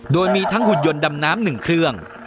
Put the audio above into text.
โดยมีทั้งหุ่นยนต์ดำน้ำ๑เครื่อง